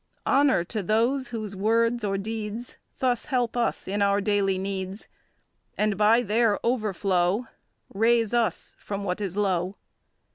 Honour to those whose words or deeds Thus help us in our daily needs, And by their overflow Raise us from what is low.